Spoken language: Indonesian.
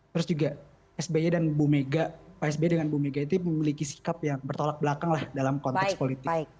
terus juga sbi dan bumega pak sbi dengan bumega itu memiliki sikap yang bertolak belakang lah dalam konteks politik